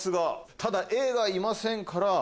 ただＡがいませんから。